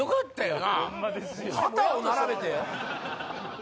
旗を並べて⁉